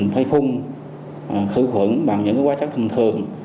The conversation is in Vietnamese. thay phung khử khuẩn bằng những quá trắc thường thường